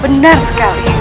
benar sekali pun putriku